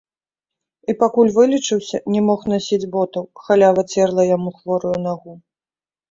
І пакуль вылечыўся, не мог насіць ботаў, халява церла яму хворую нагу.